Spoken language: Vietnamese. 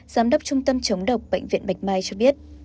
giám đốc trung tâm chống độc bệnh viện bạch mai cho biết